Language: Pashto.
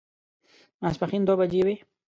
ماسپښين دوه بجې وې.